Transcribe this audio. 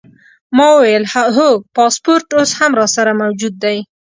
ما وویل: هو، پاسپورټ اوس هم راسره موجود دی.